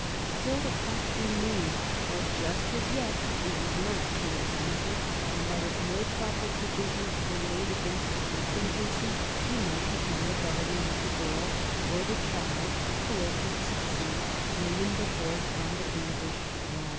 Still the fact remained that just as yet he was not King of Hanover, and that if no proper provisions were made against a contingency he might become the guardian of the girl, or the child, who was to succeed William the Fourth on the English throne.